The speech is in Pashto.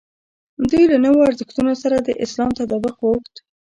دوی له نویو ارزښتونو سره د اسلام تطابق غوښت.